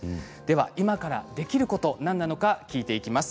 今からできること何なのか聞いていきます。